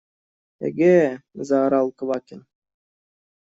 – Эге! – заорал Квакин.